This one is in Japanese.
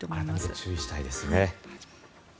注意したいですね。